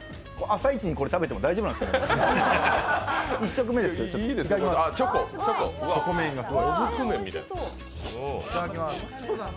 朝イチにこれ食べても大丈夫なんですかね？